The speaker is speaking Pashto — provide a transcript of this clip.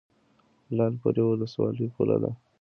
لعل پورې ولسوالۍ پوله ده؟